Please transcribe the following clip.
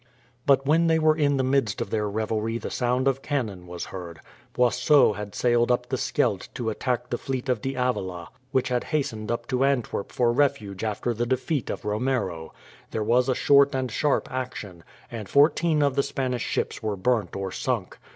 But when they were in the midst of their revelry the sound of cannon was heard. Boisot had sailed up the Scheldt to attack the fleet of D'Avila, which had hastened up to Antwerp for refuge after the defeat of Romero. There was a short and sharp action, and fourteen of the Spanish ships were burnt or sunk.